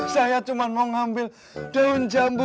saya cuma mau ngambil daun jambu